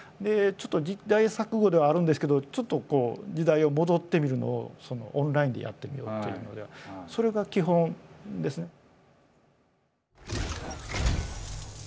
ちょっと時代錯誤ではあるんですけどちょっと時代を戻ってみるのをオンラインでやってみようっていうのでそれが基本ですね。